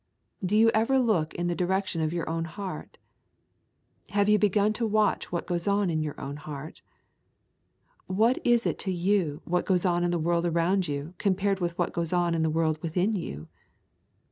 Do you ever look in the direction of your own heart? Have you begun to watch what goes on in your own heart? What is it to you what goes on in the world around you compared with what goes on in the world within you?